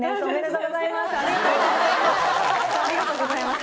ありがとうございます。